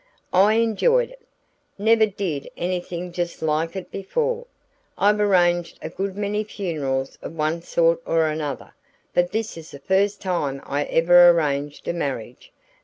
"I enjoyed it. Never did anything just like it before. I've arranged a good many funerals of one sort or another, but this is the first time I ever arranged a marriage.